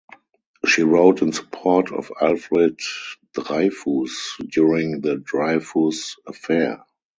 She wrote in support of Alfred Dreyfus during the Dreyfus affair.